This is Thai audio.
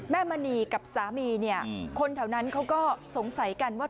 มณีกับสามีเนี่ยคนแถวนั้นเขาก็สงสัยกันว่า